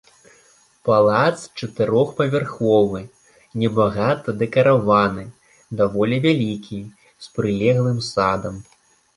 Палац чатырохпавярховы, небагата дэкараваны, даволі вялікі, з прылеглым садам.